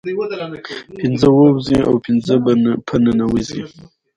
پنځه ووزي او پنځه په ننوزي